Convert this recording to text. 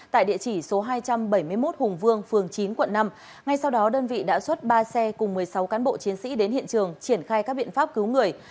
tại địa chỉ số hai trăm bảy mươi một hùng vương phường chín quận năm ngay sau đó đơn vị đã xuất ba xe cùng một mươi sáu cán bộ chiến sĩ đến hiện trường triển khai các biện pháp cứu người